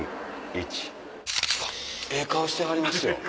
ええ顔してはりますよ